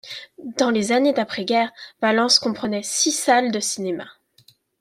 Dans les années d'après guerre, Valence comprenait six salles de cinéma.